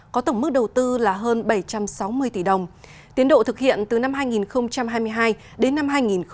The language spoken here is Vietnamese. có tổng mức đầu tư là hơn bảy trăm sáu mươi tỷ đồng tiến độ thực hiện từ năm hai nghìn hai mươi hai đến năm hai nghìn hai mươi